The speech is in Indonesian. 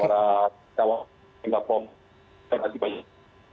para penyelamat tengah kampung terima kasih banyak